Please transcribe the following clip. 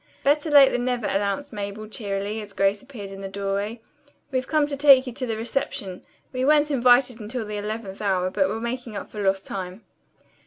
"Better late than never," announced Mabel cheerily, as Grace appeared in the doorway. "We've come to take you to the reception. We weren't invited until the eleventh hour, but we're making up for lost time."